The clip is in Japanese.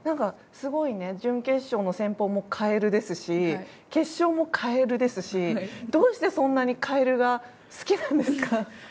すごい準決勝の戦法もカエルですし決勝もカエルですしどうして、そんなにカエルが好きなんですか？